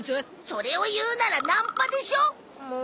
それを言うなら「ナンパ」でしょもう。